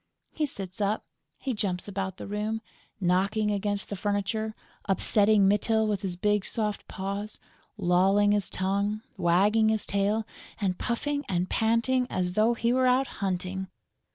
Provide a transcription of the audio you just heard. He sits up, he jumps about the room, knocking against the furniture, upsetting Mytyl with his big soft paws, lolling his tongue, wagging his tail and puffing and panting as though he were out hunting.